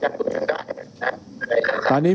ครับก็เดี๋ยวเชิญพี่น้องสมุทรจะสอบถามนะโจ้เต็มใจจะตอบคำถามไหม